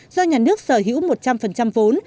do nhà nước sở hữu một trăm linh vốn